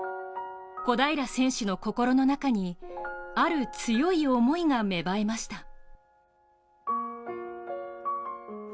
小平選手の心の中にある強い思いが芽生えました。